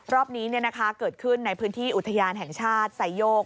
รอบนี้เกิดขึ้นในพื้นที่อุทยานแห่งชาติไซโยก